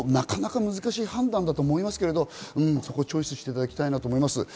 難しい判断だと思いますけれども、そこをチョイスしていただきたいなと思います。